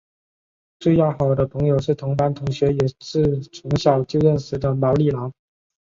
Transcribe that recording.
最要好的朋友是同班同学也是从小就认识的毛利兰。